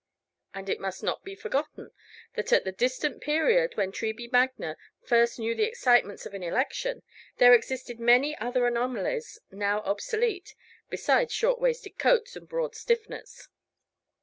And it must not be forgotten that at the distant period when Treby Magna first knew the excitements of an election, there existed many other anomalies now obsolete, besides short waisted coats and broad stiffeners.